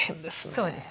そうですね。